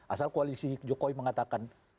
asal koalisi jokowi mengatakan